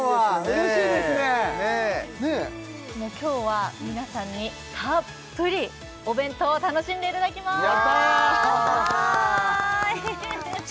嬉しい今日は皆さんにたっぷりお弁当を楽しんでいただきますやった！